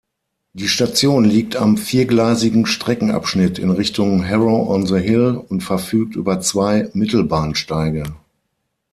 Die Station liegt am viergleisigen Streckenabschnitt in Richtung Harrow-on-the-Hill und verfügt über zwei Mittelbahnsteige.